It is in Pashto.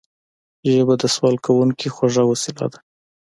ژبه د سوال کوونکي خوږه وسيله ده